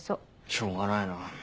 しょうがないな。